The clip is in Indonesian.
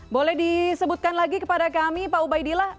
boleh disebutkan lagi kepada kami pak ubaidillah